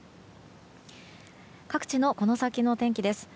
各地のこの先の天気です。